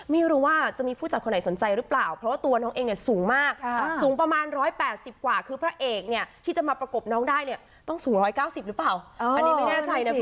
ประมาณ๑๘๐กว่าคือพระเอกที่จะมาประกบน้องได้ต้องสูง๑๙๐กว่า